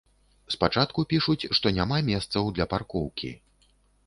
Спачатку пішуць, што няма месцаў для паркоўкі.